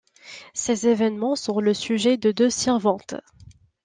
Ces évènements sont le sujet de deux sirventes.